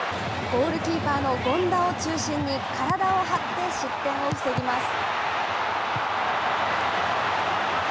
ゴールキーパーの権田を中心に、体を張って失点を防ぎます。